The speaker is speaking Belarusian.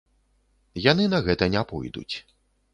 Яны на гэта не пойдуць.